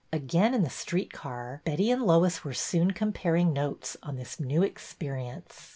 Again in the street car, Betty and Lois were soon comparing notes on this new experience.